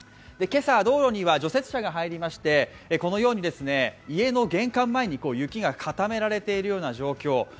今朝、道路には除雪車が入りまして、このように家の玄関前に雪が固められているような状況